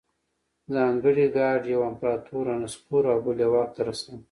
ځانګړي ګارډ یو امپرتور رانسکور او بل یې واک ته رساوه